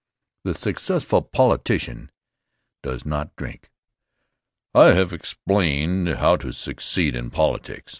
The Successful Politician Does Not Drink I HAVE explained how to succeed in politics.